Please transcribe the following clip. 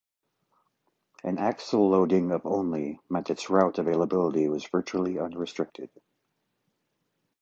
An axle-loading of only meant its route availability was virtually unrestricted.